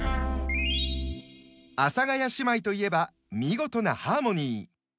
阿佐ヶ谷姉妹といえば見事なハーモニー。